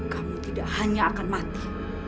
kamu tidak hanya akan mati